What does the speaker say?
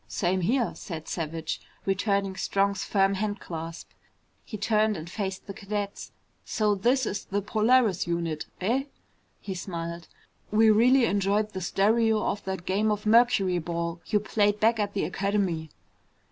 "Same here," said Savage, returning Strong's firm handclasp. He turned and faced the cadets. "So this is the Polaris unit, eh?" He smiled. "We've really enjoyed the stereo of that game of mercuryball you played back at the Academy."